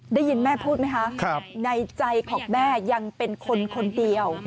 ได้ยินแม่พูดไหมคะในใจของแม่ยังเป็นคนคนเดียว